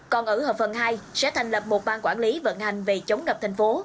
còn ở hợp phần hai sẽ thành lập một bang quản lý vận hành về chống ngập thành phố